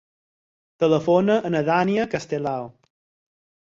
Telefona a la Dània Castelao.